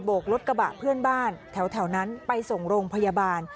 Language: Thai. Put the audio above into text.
กรถกระบะเพื่อนบ้านแถวนั้นไปส่งโรงพยาบาล